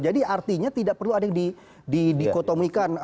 jadi artinya tidak perlu ada yang diikotomikan